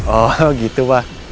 oh gitu pak